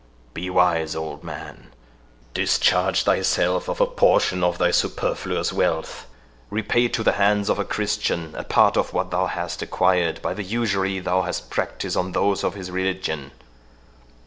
—Be wise, old man; discharge thyself of a portion of thy superfluous wealth; repay to the hands of a Christian a part of what thou hast acquired by the usury thou hast practised on those of his religion.